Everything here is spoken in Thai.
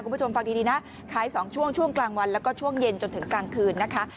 คุณผู้ชมฟังดีนะขาย๒ช่วงช่วงกลางวันแล้วก็ช่วงเย็นจนถึงกลางคืนนะคะ